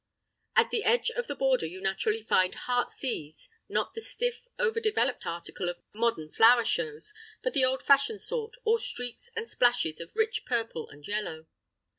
At the edge of the border you naturally find heartsease, not the stiff, over developed article of modern flower shows, but the old fashioned sort, all streaks and splashes of rich purple and yellow.